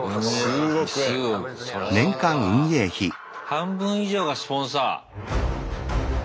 半分以上がスポンサー。